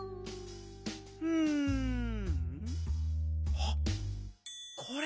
あっこれ！